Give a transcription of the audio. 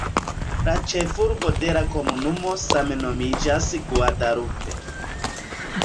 La ĉefurbo de la komunumo same nomiĝas "Guadalupe".